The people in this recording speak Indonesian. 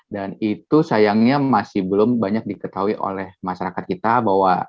dan itu sayangnya masih belum banyak diketahui oleh masyarakat kita bahwa